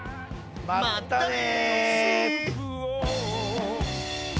またね！